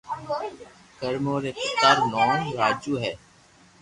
ڪرمون ري پيتا رو نوم راجو ھي